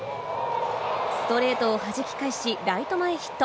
ストレートをはじき返し、ライト前ヒット。